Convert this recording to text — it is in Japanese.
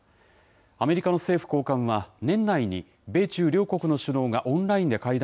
アメリカの政府高官は、年内に米中両国の首脳がオンラインで会談